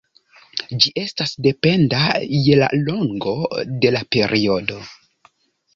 Ĝi estas dependa je la longo de la periodo.